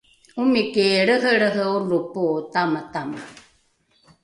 omiki lrehelrehe olopo tamatama